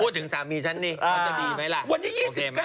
พูดถึงสามีฉันนี่เขาจะดีไหมล่ะ